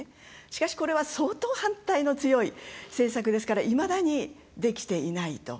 しかし、これは相当反対の強い政策ですからいまだにできていないと。